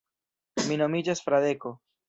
Mi nomiĝas Fradeko.